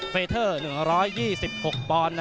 เฟเทอร์๑๒๖ปอนด์